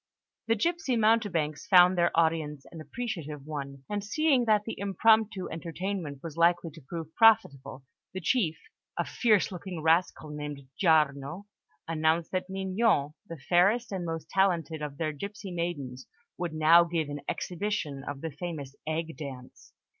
The gipsy mountebanks found their audience an appreciative one; and seeing that the impromptu entertainment was likely to prove profitable, the chief, a fierce looking rascal named Giarno, announced that Mignon, the fairest and most talented of their gipsy maidens, would now give an exhibition of the famous egg dance.